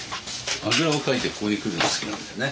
あぐらをかいてここに来るの好きなんだよね。